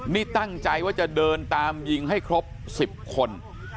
นี่ตั้งใจว่าจะเดินตามยิงให้ครบ๑๐คน